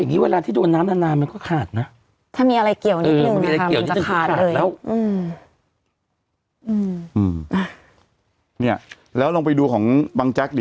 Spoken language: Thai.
อืมอืมอืมเนี้ยแล้วลองไปดูของบังแจ๊กส์ดิ